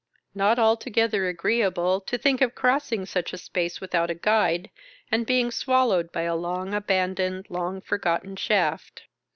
Not altogether agreeable to think of crossing such space without a guide, and being swallowed by a long abandoned, long forgotten shaft.